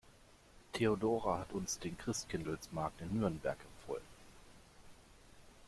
Theodora hat uns den Christkindlesmarkt in Nürnberg empfohlen.